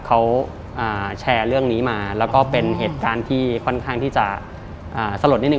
เขาแชร์เรื่องนี้มาแล้วก็เป็นเหตุการณ์ที่ค่อนข้างที่จะสลดนิดนึ